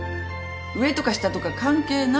上とか下とか関係ない。